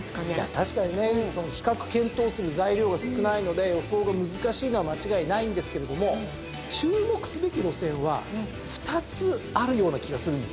確かにねその比較検討する材料が少ないので予想が難しいのは間違いないんですけれども注目すべき路線は２つあるような気がするんですね。